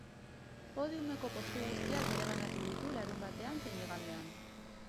Podiumeko postu guztiak bereganatu ditu larunbatean zein igandean.